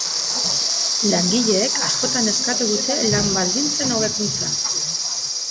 Langileek askotan eskatu dute lan baldintzen hobekuntza.